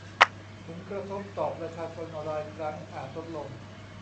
ผลกระทบต่อประชาชนรายครั้งอาจลดลง